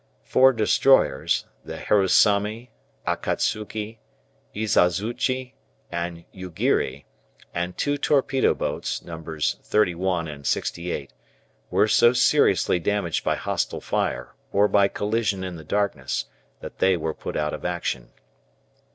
Four destroyers (the "Harusami," "Akatsuki," "Izazuchi," and "Yugiri") and two torpedo boats (Nos. 31 and 68) were so seriously damaged by hostile fire, or by collision in the darkness, that they were put out of action.